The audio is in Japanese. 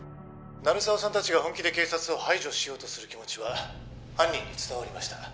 鳴沢さん達が本気で警察を排除しようとする気持ちは犯人に伝わりました